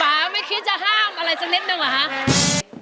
ป๊าป๊าค่ะป๊าไม่คิดจะห้ามอะไรสักนิดหนึ่งเหรอฮะ